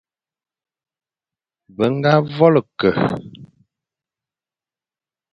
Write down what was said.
Be ñga vôl-e-ke,